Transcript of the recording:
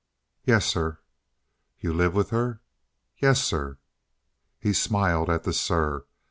"Yes, sir." "You live with her?" "Yes, sir." He smiled at the "sir."